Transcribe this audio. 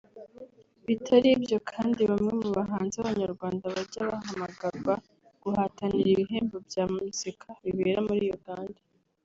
Bitari ibyo kandi bamwe mu bahanzi b’abanyarwanda bajya bahamagarwa guhatanira ibihembo bya muzika bibera muri Uganda